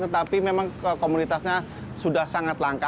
tetapi memang komunitasnya sudah sangat langka